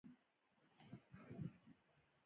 هغه اضافي ګټه چې ځمکوال ته ورکول کېږي